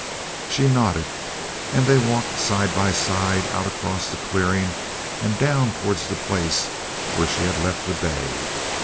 She nodded, and they walked side by side out across the clearing and down towards the place where she had left the bay.